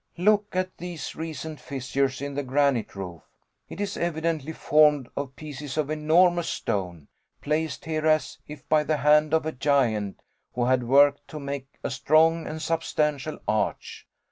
Look at these recent fissures in the granite roof; it is evidently formed of pieces of enormous stone, placed here as if by the hand of a giant, who had worked to make a strong and substantial arch.